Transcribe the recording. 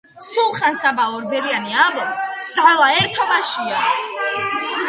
სულხან-საბა ორბელიანი ამბობს ,, ძალა ერთობაშია''